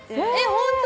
ホント！？